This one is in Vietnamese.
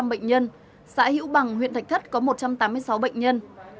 bốn mươi năm bệnh nhân xã hữu bằng huyện thạch thất có một trăm tám mươi sáu bệnh nhân